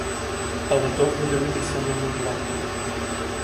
Але довго дивитися не могла.